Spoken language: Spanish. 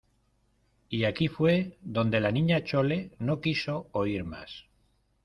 y aquí fué donde la Niña Chole no quiso oír más: